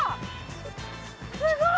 すごい！